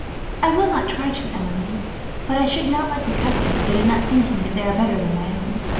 "I will try not to, Emilie; but I should not like the customs, did it not seem to me that they are better than my own.